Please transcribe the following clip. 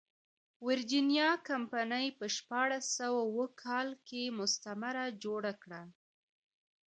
ویرجینیا کمپنۍ په شپاړس سوه اووه کال کې مستعمره جوړه کړه.